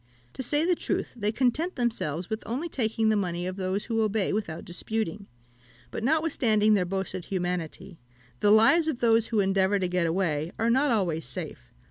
To say the truth, they content themselves with only taking the money of those who obey without disputing; but notwithstanding their boasted humanity, the lives of those who endeavour to get away are not always safe.